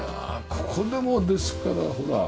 ここでもですからほら。